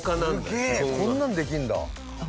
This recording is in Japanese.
すげえこんなんできるんだ。